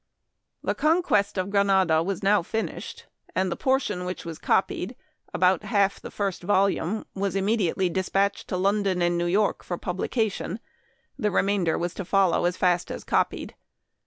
The " Conquest of Granada " was now fin ished, and the portion which was copied — about half the first volume — was immediately dispatched to London and New York for pub lication, and the remainder was to follow as fast as copied.